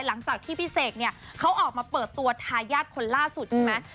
หลังจากที่พี่เสกเนี่ยเขาออกมาเปิดตัวทายาทคนล่าสุดใช่ไหม